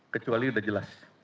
kecuali sudah jelas